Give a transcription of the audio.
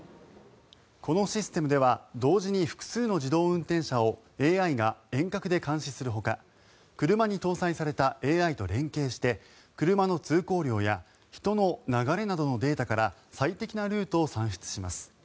このシステムでは同時に複数の自動運転車をＡＩが遠隔で監視するほか車に搭載されたＡＩと連携して車の通行量や人の流れなどのデータから最適なルートを算出します。